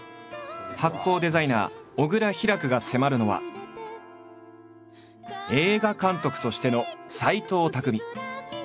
発酵デザイナー・小倉ヒラクが迫るのは映画監督としての斎藤工。